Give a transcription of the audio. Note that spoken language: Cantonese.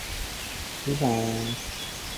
肉絲炒麪